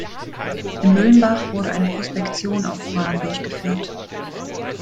In Müllenbach wurde eine Prospektion auf Uran durchgeführt.